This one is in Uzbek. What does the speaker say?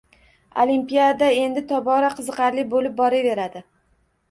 Olimpiada endi tobora qiziqarli bo‘lib boraveradi.